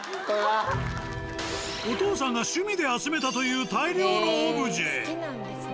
おとうさんが趣味で集めたという大量のオブジェ。